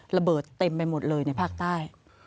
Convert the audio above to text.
ระเบิดเต็มไปหมดเลยในภาคใต้